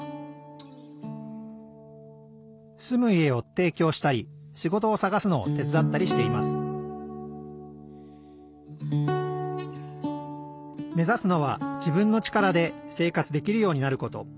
住む家をていきょうしたり仕事をさがすのを手伝ったりしています目指すのは自分の力で生活できるようになること。